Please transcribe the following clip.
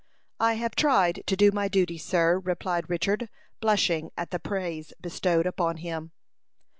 "I have tried to do my duty, sir," replied Richard, blushing at the praise bestowed upon him.